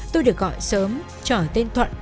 tôi được gọi sớm trở tên thuận